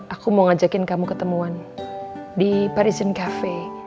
aku mau ngajakin kamu ketemuan di parison cafe